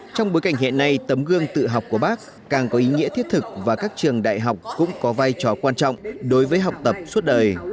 trong bối cảnh hiện nay tấm gương tự học của bác càng có ý nghĩa thiết thực và các trường đại học cũng có vai trò quan trọng đối với học tập suốt đời